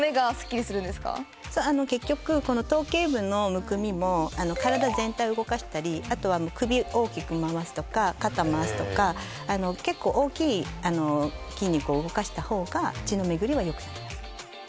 結局この頭頸部のむくみも体全体を動かしたりあとは首を大きく回すとか肩回すとか結構大きい筋肉を動かした方が血の巡りは良くなります。